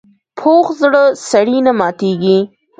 پوخ زړه سړي نه ماتېږي